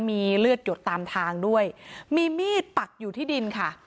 มีเลือดหยดตามทางด้วยมีมีดปักอยู่ที่ดินค่ะ